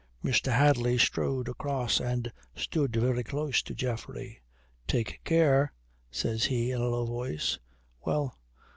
Mr. Hadley strode across and stood very close to Geoffrey. "Take care," says he in a low voice. "Well.